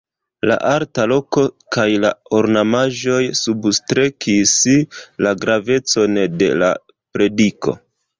La alta loko kaj la ornamaĵoj substrekis la gravecon de la prediko.